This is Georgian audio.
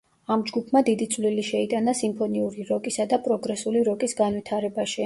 ამ ჯგუფმა დიდი წვლილი შეიტანა სიმფონიური როკისა და პროგრესული როკის განვითარებაში.